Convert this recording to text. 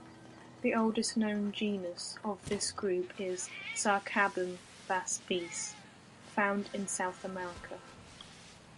The oldest known genus of this group is "Sacabambaspis" found in South America.